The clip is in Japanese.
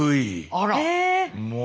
あら。